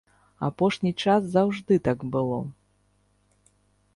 Апошні час заўжды так было.